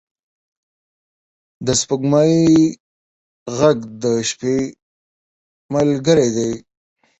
د سپوږمۍ ږغ د شپې ملګری دی.